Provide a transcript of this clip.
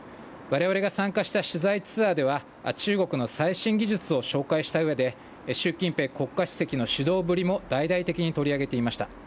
われわれが参加した取材ツアーでは、中国の最新技術を紹介したうえで、習近平国家主席の指導ぶりも大々的に取り上げていました。